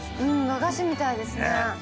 和菓子みたいですね。